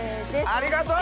ありがとう！